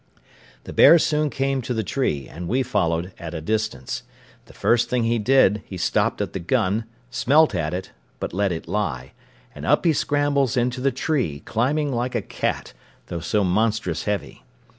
The bear soon came to the tree, and we followed at a distance: the first thing he did he stopped at the gun, smelt at it, but let it lie, and up he scrambles into the tree, climbing like a cat, though so monstrous heavy.